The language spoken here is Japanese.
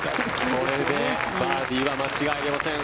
これでバーディーは間違いありません。